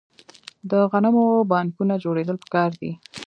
د غنمو بانکونه جوړیدل پکار دي.